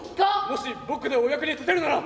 もし僕でお役に立てるなら！